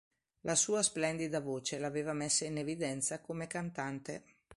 La sua splendida voce l'aveva messa in evidenza come cantante.